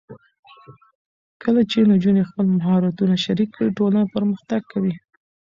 کله چې نجونې خپل مهارتونه شریک کړي، ټولنه پرمختګ کوي.